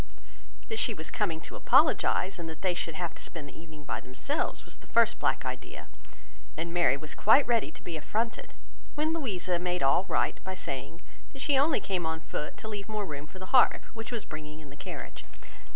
That she was coming to apologize, and that they should have to spend the evening by themselves, was the first black idea; and Mary was quite ready to be affronted, when Louisa made all right by saying, that she only came on foot, to leave more room for the harp, which was bringing in the carriage.